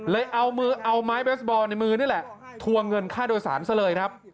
เลยเอามือเอาไม้เบสบอลในมือนี่แหละทวงเงินค่าโดยสารซะเลยครับ